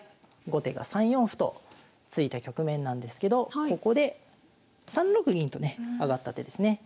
後手が３四歩と突いた局面なんですけどここで３六銀とね上がった手ですね。